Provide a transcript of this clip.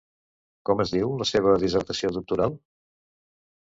Com es diu la seva dissertació doctoral?